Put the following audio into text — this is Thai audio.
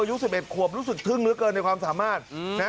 อายุสิบเอ็ดขวบรู้สึกทึ่งมือเกินในความสามารถอืมนะ